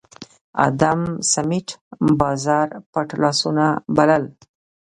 ادم سمېت بازار پټ لاسونه بلل